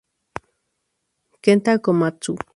Kenta Komatsu